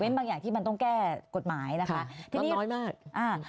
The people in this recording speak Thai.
บางอย่างที่มันต้องแก้กฎหมายนะคะที่มันน้อยมากอ่า